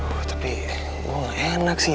aduh tapi gue gak enak sih ya